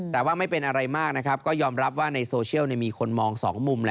แต่ว่าไม่เป็นอะไรมากนะครับก็ยอมรับว่าในโซเชียลมีคนมองสองมุม